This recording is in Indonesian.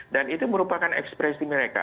dan itu merupakan ekspresi mereka